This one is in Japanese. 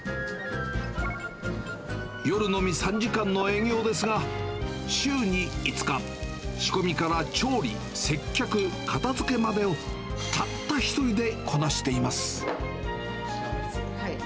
夜のみ３時間の営業ですが、週に５日、仕込みから調理、接客、片づけまでをたった一人でこなしています。